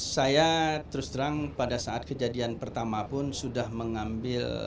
saya terus terang pada saat kejadian pertama pun sudah mengambil